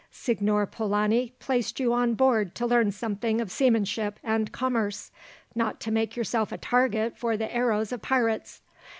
"Signor Polani placed you on board to learn something of seamanship and commerce, not to make yourself a target for the arrows of pirates.